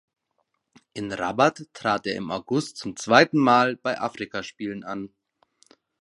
In Rabat trat er im August zum zweiten Mal bei Afrikaspielen an.